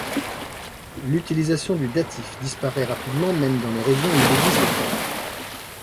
L'utilisation du datif disparaît rapidement même dans les régions où il existe encore.